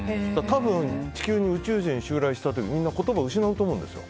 多分、地球に宇宙人が襲来した時みんな、言葉を失うと思うんです。